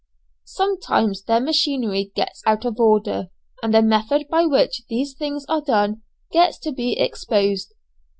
Sometimes their machinery gets out of order, and the method by which these things are done gets to be exposed.